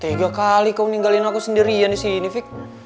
tiga kali kau ninggalin aku sendirian di sini fik